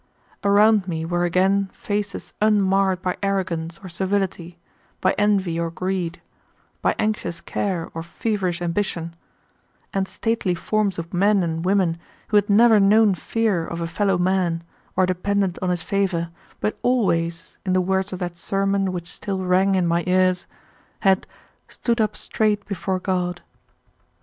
Around me were again faces unmarred by arrogance or servility, by envy or greed, by anxious care or feverish ambition, and stately forms of men and women who had never known fear of a fellow man or depended on his favor, but always, in the words of that sermon which still rang in my ears, had "stood up straight before God."